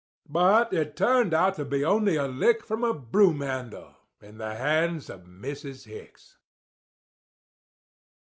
But it turned out to be only a lick from a broomhandle in the hands of Mrs. Hicks."